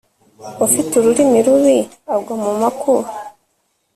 ufite ururimi rubi, agwa mu makuba